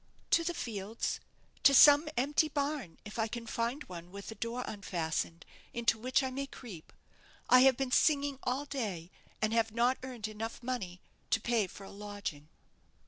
"To the fields to some empty barn, if I can find one with a door unfastened, into which I may creep. I have been singing all day, and have not earned money enough to pay for a lodging."